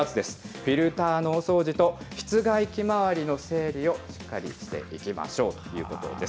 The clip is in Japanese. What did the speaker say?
フィルターのお掃除と室外機周りの整理をしっかりしていきましょうということです。